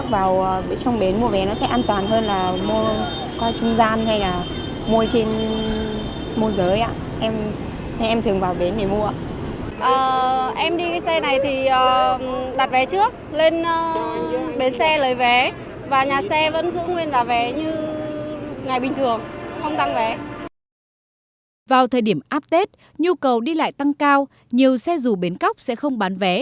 vào thời điểm áp tết nhu cầu đi lại tăng cao nhiều xe rủ bến góc sẽ không bán vé